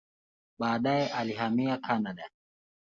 Baadaye alihamia Kanada.